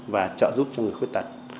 và trợ giúp cho người khuyết tật